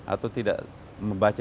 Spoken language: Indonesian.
atau tidak membaca